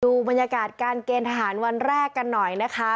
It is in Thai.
ดูบรรยากาศการเกณฑ์ทหารวันแรกกันหน่อยนะคะ